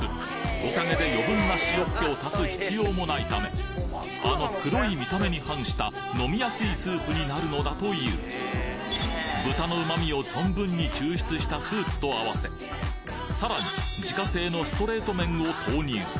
おかげで余分な塩っけを足す必要もないためあの黒い見た目に反した飲みやすいスープになるのだという豚の旨味を存分に抽出したスープと合わせさらに自家製のストレート麺を投入